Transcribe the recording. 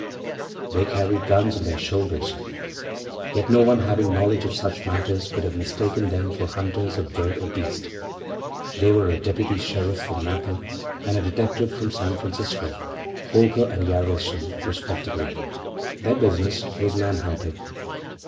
They carried guns on their shoulders, yet no one having knowledge of such matters could have mistaken them for hunters of bird or beast. They were a deputy sheriff from Napa and a detective from San Francisco Holker and Jaralson, respectively. Their business was man hunting.